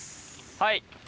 はい。